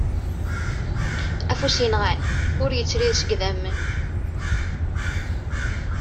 Afus yenɣan ur yettrid seg idammen.